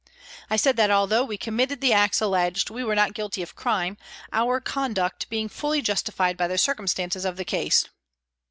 I said that although we com mitted the acts alleged, we were not guilty of crime, our conduct being fully justified by the circum stances of the case.